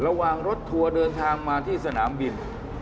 ระหว่างรถทัวร์เดินทางมาที่สนามบิน